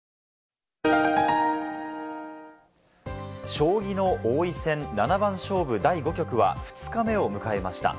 将棋の王位戦七番勝負第５局は２日目を迎えました。